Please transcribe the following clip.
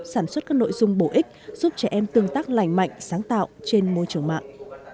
sản xuất các nội dung bổ ích giúp trẻ em tương tác lành mạnh sáng tạo trên môi trường mạng